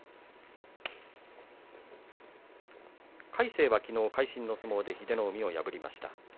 魁聖はきのう会心の相撲で英乃海を破りました。